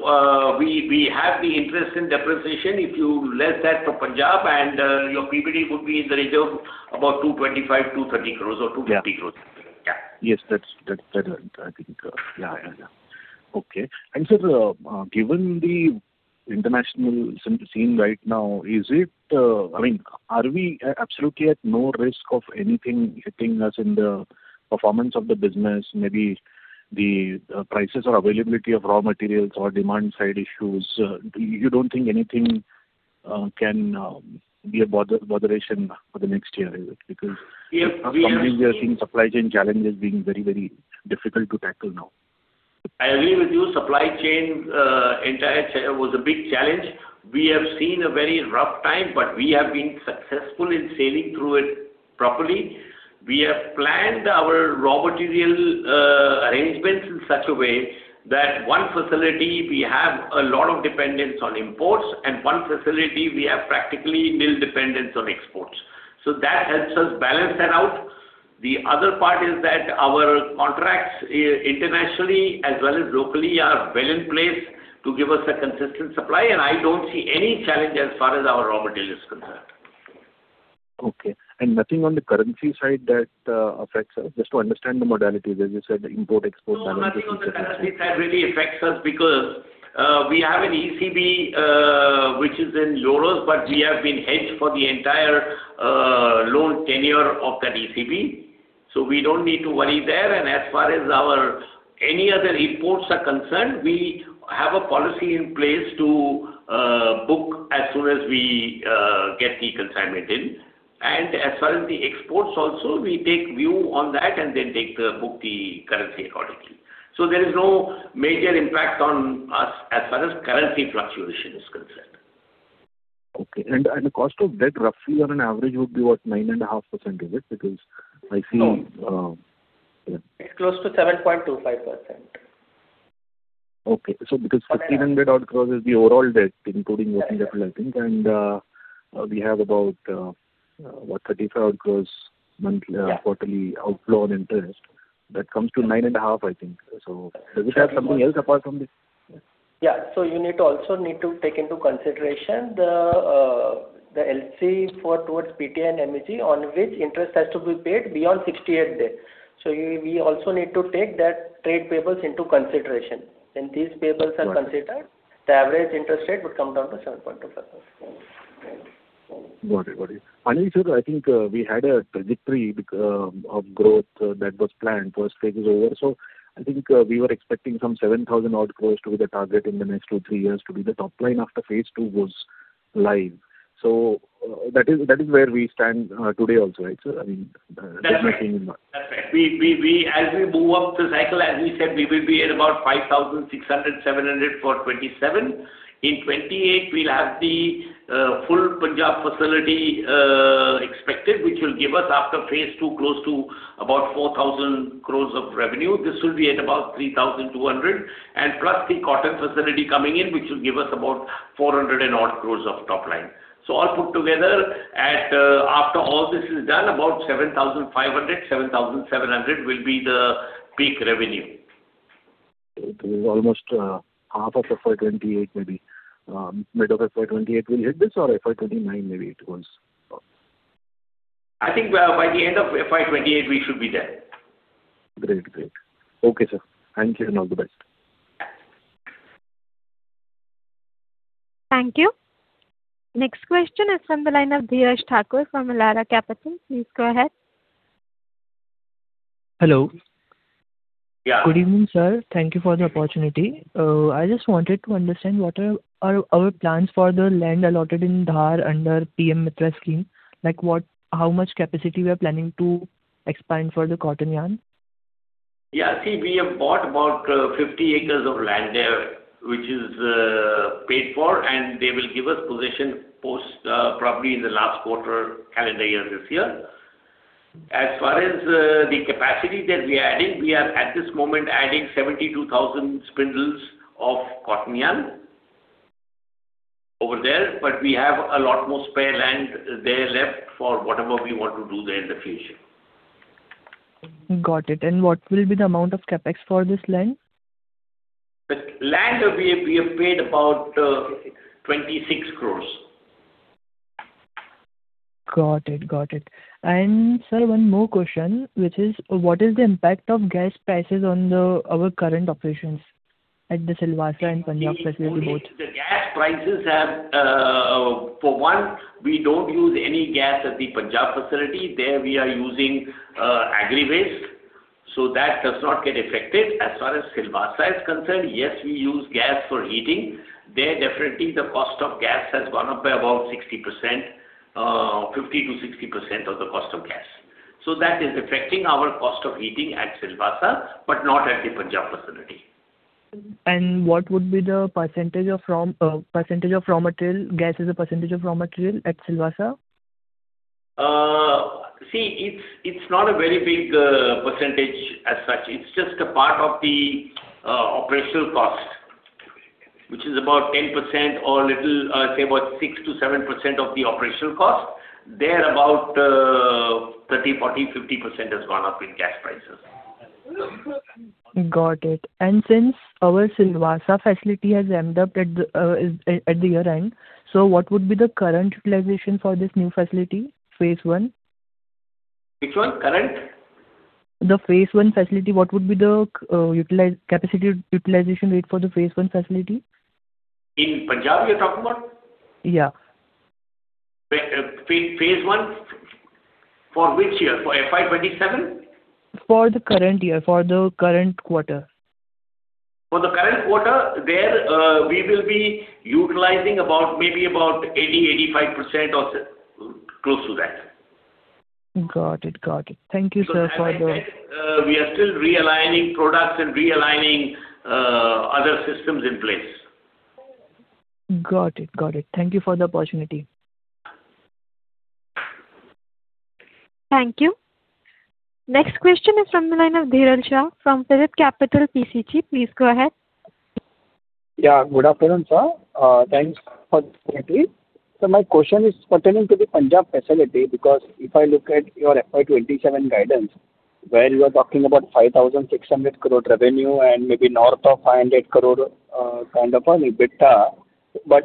we have the interest and depreciation. If you less that from Punjab and your PBT would be in the range of about 225 crore, 230 crore or 250 crore. Yeah. Yeah. Yes. That's better I think. Yeah. Okay. Sir, given the international scene right now, is it I mean, are we absolutely at no risk of anything hitting us in the performance of the business? Maybe the prices or availability of raw materials or demand side issues. You don't think anything can be a botheration for the next year, is it? If we are- Companies we are seeing supply chain challenges being very, very difficult to tackle now. I agree with you. Supply chain, entire was a big challenge. We have seen a very rough time, but we have been successful in sailing through it properly. We have planned our raw material arrangements in such a way that one facility we have a lot of dependence on imports and one facility we have practically nil dependence on exports. That helps us balance that out. The other part is that our contracts, internationally as well as locally are well in place to give us a consistent supply, and I don't see any challenge as far as our raw material is concerned. Okay. Nothing on the currency side that affects us? Just to understand the modalities, as you said, the import-export balance. No, nothing on the currency that really affects us because we have an ECB which is in euros, but we have been hedged for the entire loan tenure of that ECB, so we don't need to worry there. As far as our any other imports are concerned, we have a policy in place to book as soon as we get the consignment in. As far as the exports also, we take view on that and then book the currency accordingly. There is no major impact on us as far as currency fluctuation is concerned. Okay. The cost of debt roughly on an average would be what, 9.5%, is it? Yeah. It's close to 7.25%. Okay. 1,500 crores is the overall debt, including working capital, I think. We have about, what, 35 crores monthly- Yeah. -quarterly outflow on interest. That comes to 9.5, I think. Does it have something else apart from this? Yeah. You need to also need to take into consideration the LC for towards PTA and MEG on which interest has to be paid beyond 68th day. We also need to take that trade payables into consideration. When these payables are considered. Got it. The average interest rate would come down to 7.25%. Got it. Anil Sir, I think, we had a trajectory of growth that was planned. First phase is over. I think, we were expecting some 7,000 odd crores to be the target in the next two, three years to be the top line after phase II goes live. That is where we stand today also, right, Sir? I mean, there's nothing much. That's right. That's right. We As we move up the cycle, as we said, we will be at about 5,600-5,700 for 2027. In 2028, we'll have the full Punjab facility expected, which will give us after phase II close to about 4,000 crores of revenue. This will be at about 3,200, and plus the cotton facility coming in, which will give us about 400 odd crores of top line. So all put together at after all this is done, about 7,500-7,700 will be the peak revenue. It will be almost half of FY 2028 maybe. Mid of FY 2028 we'll hit this or FY 2029 maybe it goes. I think by the end of FY 2028 we should be there. Great. Great. Okay, sir. Thank you and all the best. Thank you. Next question is from the line of Dheeraj Thakur from Elara Capital. Please go ahead. Hello. Yeah. Good evening, sir. Thank you for the opportunity. I just wanted to understand what are our plans for the land allotted in Dhar under PM MITRA scheme. How much capacity we are planning to expand for the cotton yarn? See, we have bought about 50 acres of land there, which is paid for, and they will give us possession post, probably in the last quarter calendar year this year. As far as the capacity that we are adding, we are at this moment adding 72,000 spindles of cotton yarn over there, but we have a lot more spare land there left for whatever we want to do there in the future. Got it. What will be the amount of CapEx for this land? The land, we have paid about 26 crores. Got it. Got it. Sir, one more question, which is what is the impact of gas prices on our current operations at the Silvassa and Punjab facility both? Only the gas prices have, for one, we don't use any gas at the Punjab facility. There we are using, agri waste, that does not get affected. As far as Silvassa is concerned, yes, we use gas for heating. There definitely the cost of gas has gone up by about 60%, 50%-60% of the cost of gas. That is affecting our cost of heating at Silvassa, but not at the Punjab facility. What would be the percentage of raw material, gas as a percentage of raw material at Silvassa? See, it's not a very big percentage as such. It's just a part of the operational cost, which is about 10% or little, about 6%-7% of the operational cost. There about, 30%, 40%, 50% has gone up in gas prices. Got it. Since our Silvassa facility has ramped up at the year-end, what would be the current utilization for this new facility, phase I? Which one? Current? The phase I facility, what would be the capacity utilization rate for the phase I facility? In Punjab you're talking about? Yeah. Phase I for which year? For FY 2027? For the current year, for the current quarter. For the current quarter, there, we will be utilizing about maybe about 80%, 85% or close to that. Got it. Got it. Thank you, sir. As I said, we are still realigning products and realigning other systems in place. Got it. Thank you for the opportunity. Thank you. Next question is from the line of Dhiral Shah from PhillipCapital PCG. Please go ahead. Yeah, good afternoon, sir. Thanks for the opportunity. My question is pertaining to the Punjab facility, because if I look at your FY 2027 guidance, where you are talking about 5,600 crore revenue and maybe north of 500 crore kind of an EBITDA.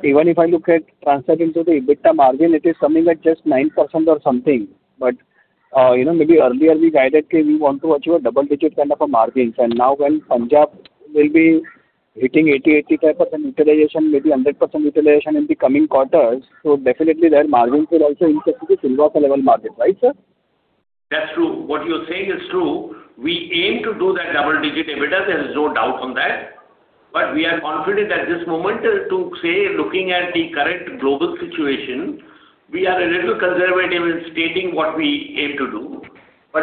Even if I look at translating to the EBITDA margin, it is coming at just 9% or something. You know, maybe earlier we guided, okay, we want to achieve a double-digit kind of a margins. Now when Punjab will be hitting 80%-85% utilization, maybe 100% utilization in the coming quarters. Definitely their margins will also increase to the Silvassa level margin. Right, sir? That's true. What you're saying is true. We aim to do that double-digit EBITDA. There's no doubt on that. We are confident at this moment to say, looking at the current global situation, we are a little conservative in stating what we aim to do.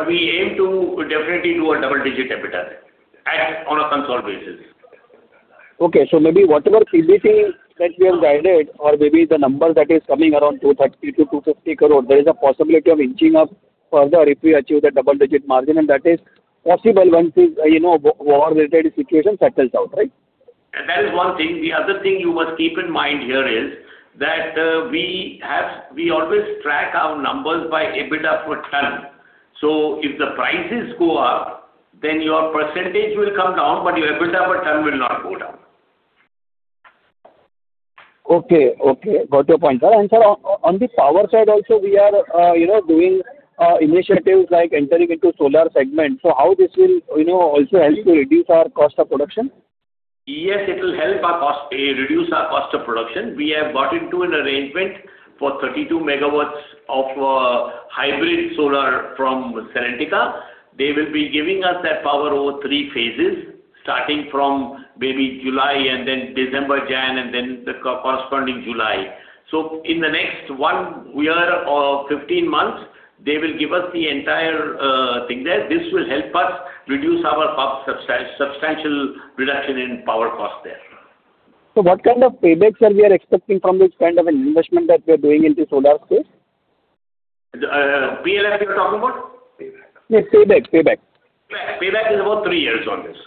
We aim to definitely do a double-digit EBITDA on a consolidated basis. Maybe whatever PBT that we have guided or maybe the number that is coming around 230 crore-250 crore, there is a possibility of inching up further if we achieve that double-digit margin, and that is possible once this, you know, war related situation settles out, right? That is one thing. The other thing you must keep in mind here is that we always track our numbers by EBITDA per ton. If the prices go up, then your percentage will come down, but your EBITDA per ton will not go down. Okay. Okay. Got your point, sir. Sir, on the power side also we are, you know, doing initiatives like entering into solar segment. How this will, you know, also help to reduce our cost of production? Yes, it will help our cost, reduce our cost of production. We have got into an arrangement for 32 MW of hybrid solar from Serentica. They will be giving us that power over three phases, starting from maybe July, then December, January, then the corresponding July. In the next one year or 15 months, they will give us the entire thing there. This will help us reduce our cost substantial reduction in power cost there. What kind of payback, sir, we are expecting from this kind of an investment that we are doing into solar space? The PLI you're talking about? Yes, payback. Payback. Payback is about three years on this.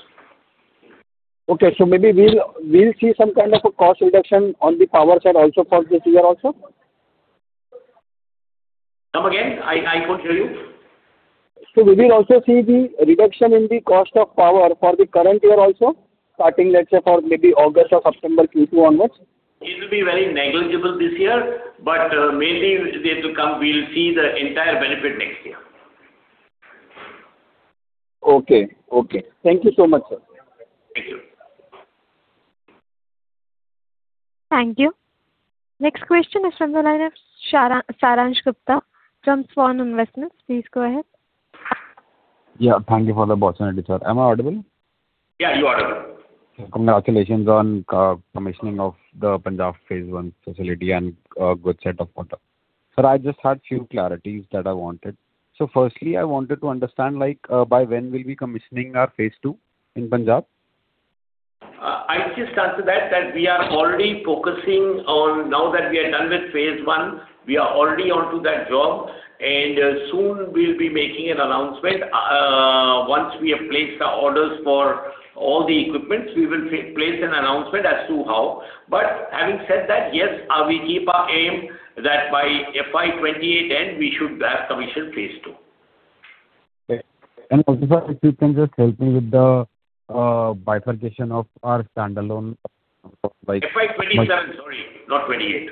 Okay. Maybe we'll see some kind of a cost reduction on the power side also for this year also? Come again. I couldn't hear you. We will also see the reduction in the cost of power for the current year also, starting, let's say, for maybe August or September Q2 onwards? It will be very negligible this year, but, mainly year to come, we'll see the entire benefit next year. Okay. Okay. Thank you so much, sir. Thank you. Thank you. Next question is from the line of Saransh Gupta from SVAN Investments. Please go ahead. Yeah, thank you for the opportunity, sir. Am I audible? Yeah, you're audible. Congratulations on commissioning of the Punjab phase I facility and a good set of quarter. Sir, I just had few clarities that I wanted. Firstly, I wanted to understand, like, by when we'll be commissioning our phase II in Punjab? I'll just answer that we are already focusing on now that we are done with phase I, we are already onto that job, and soon we'll be making an announcement. Once we have placed our orders for all the equipment, we will place an announcement as to how. Having said that, yes, we keep our aim that by FY 2028 end, we should have commissioned phase II. Okay. Also, sir, if you can just help me with the bifurcation of our standalone. FY 2027, sorry, not 2028.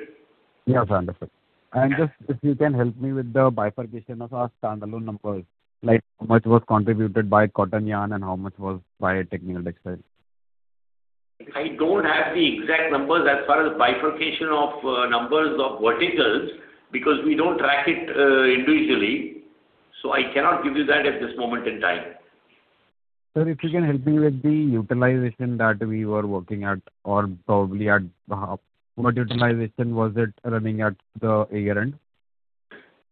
Yeah, sir, understood. Just if you can help me with the bifurcation of our standalone numbers, like how much was contributed by cotton yarn and how much was by technical textiles? I don't have the exact numbers as far as bifurcation of numbers of verticals because we don't track it individually. I cannot give you that at this moment in time. Sir, if you can help me with the utilization that we were working at or probably at half. What utilization was it running at the year end?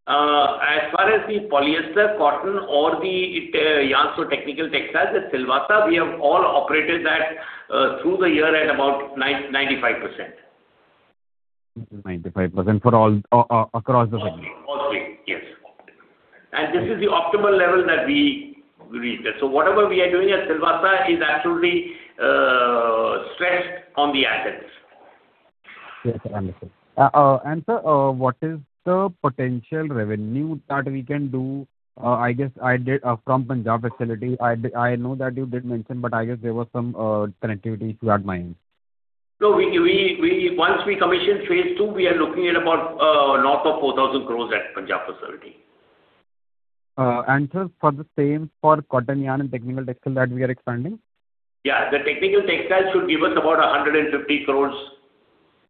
As far as the polyester, cotton or the yarn, so technical textiles at Silvassa, we have all operated that, through the year at about 95%. 95% for all, across the board? All three. Yes. This is the optimal level that we reach there. Whatever we are doing at Silvassa is absolutely stretched on the assets. Yes, sir. Understood. Sir, what is the potential revenue that we can do? I guess I did from Punjab facility. I know that you did mention, but I guess there was some connectivity if you had mind? No, we, once we commission phase II, we are looking at about north of 4,000 crores at Punjab facility. Sir, for the same for cotton yarn and technical textile that we are expanding? Yeah, the technical textile should give us about 150 crores,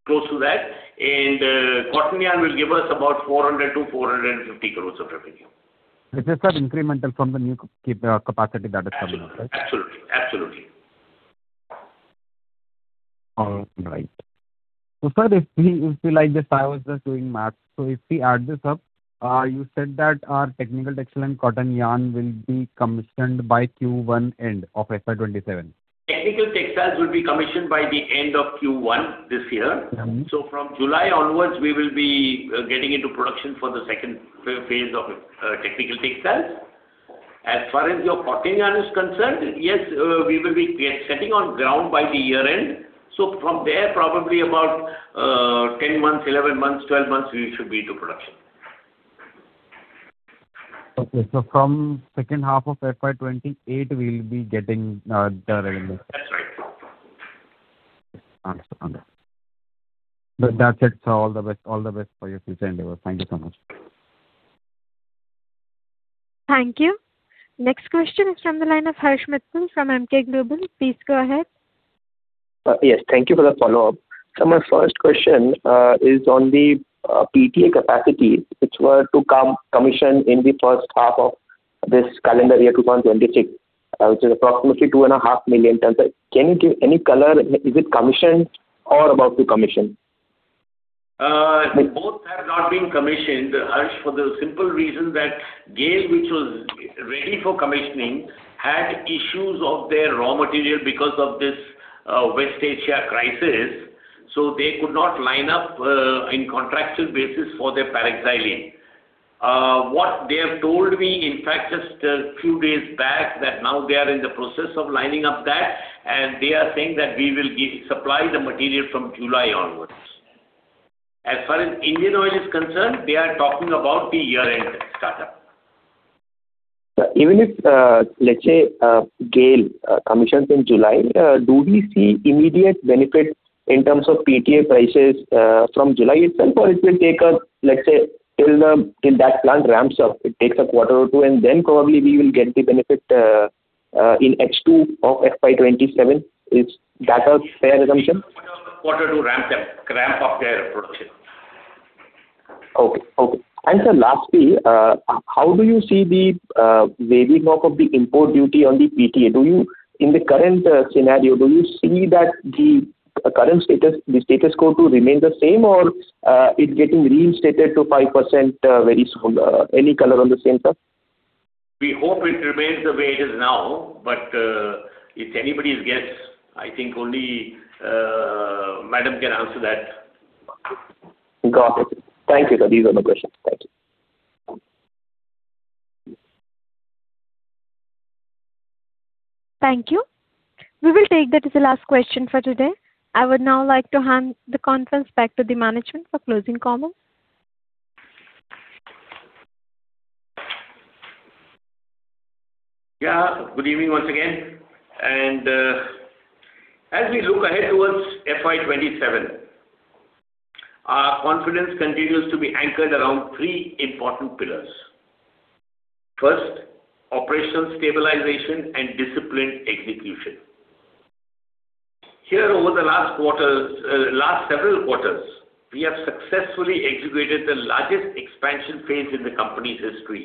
close to that. Cotton yarn will give us about 400 crores-450 crores of revenue. This is incremental from the new capacity that is coming up, right? Absolutely. Absolutely. All right. Sir, if we like this, I was just doing math. If we add this up, you said that our technical textile and cotton yarn will be commissioned by Q1 end of FY 2027. Technical textiles will be commissioned by the end of Q1 this year. From July onwards, we will be getting into production for the second phase of technical textiles. As far as your cotton yarn is concerned, yes, we will be setting on ground by the year-end. From there, probably about 10 months, 11 months, 12 months, we should be into production. Okay. From H2 of FY 2028, we'll be getting the revenue. That's right. Understood. That's it, sir. All the best. All the best for your future endeavors. Thank you so much. Thank you. Next question is from the line of Harsh Mittal from Emkay Global. Please go ahead. Yes. Thank you for the follow-up. My first question is on the PTA capacity which were to come commissioned in the H1 of this calendar year, 2026, which is approximately 2.5 million tons. Can you give any color? Is it commissioned or about to commission? Both have not been commissioned, Harsh, for the simple reason that GAIL, which was ready for commissioning, had issues of their raw material because of this, West Asia crisis, so they could not line up, in contracted basis for their paraxylene. What they have told me, in fact, just a few days back, that now they are in the process of lining up that, and they are saying that we will supply the material from July onwards. As far as Indian Oil is concerned, they are talking about the year-end startup. Even if, let's say, GAIL commissions in July, do we see immediate benefit in terms of PTA prices, from July itself, or it will take us, let's say, till that plant ramps up, it takes a quarter or two, and then probably we will get the benefit, in H2 of FY 2027. Is that a fair assumption? Quarter to ramp up their production. Okay. Sir, lastly, how do you see the waiving off of the import duty on the PTA? Do you, in the current scenario, do you see that the current status, the status quo to remain the same or it getting reinstated to 5% very soon? Any color on the same, sir? We hope it remains the way it is now, but it's anybody's guess. I think only madam can answer that. Got it. Thank you, sir. These are my questions. Thank you. Thank you. We will take that as the last question for today. I would now like to hand the conference back to the management for closing comments. Yeah. Good evening once again. As we look ahead towards FY 2027, our confidence continues to be anchored around three important pillars. First, operational stabilization and disciplined execution. Here, over the last several quarters, we have successfully executed the largest expansion phase in the company's history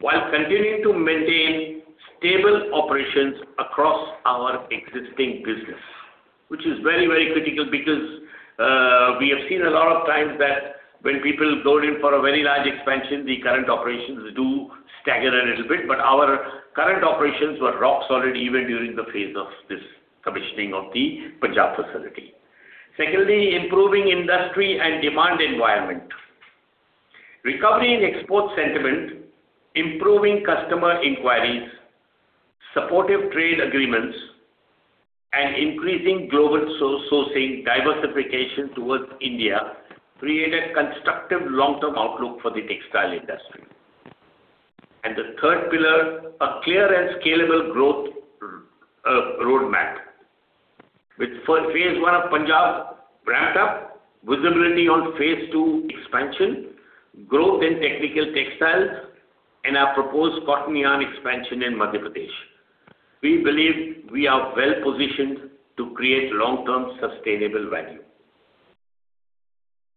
while continuing to maintain stable operations across our existing business, which is very critical because we have seen a lot of times that when people go in for a very large expansion, the current operations do stagger a little bit. Our current operations were rock solid even during the phase of this commissioning of the Punjab facility. Secondly, improving industry and demand environment. Recovery in export sentiment, improving customer inquiries, supportive trade agreements, and increasing global sourcing diversification towards India create a constructive long-term outlook for the textile industry. The third pillar, a clear and scalable growth roadmap. With phase I of Punjab ramped up, visibility on phase II expansion, growth in technical textiles, and our proposed cotton yarn expansion in Madhya Pradesh, we believe we are well-positioned to create long-term sustainable value.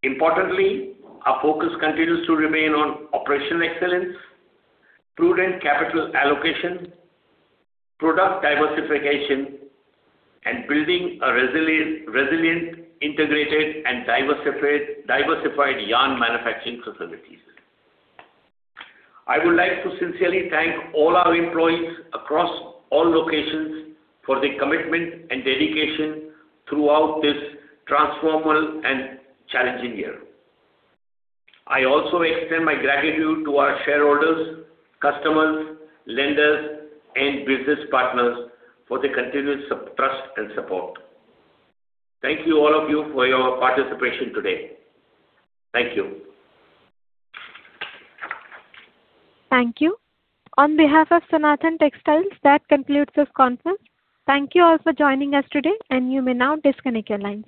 Importantly, our focus continues to remain on operational excellence, prudent capital allocation, product diversification, and building a resilient, integrated and diversified yarn manufacturing facilities. I would like to sincerely thank all our employees across all locations for their commitment and dedication throughout this transformative and challenging year. I also extend my gratitude to our shareholders, customers, lenders, business partners for their continuous trust and support. Thank you all of you for your participation today. Thank you. Thank you. On behalf of Sanathan Textiles, that concludes this conference. Thank you all for joining us today, and you may now disconnect your lines.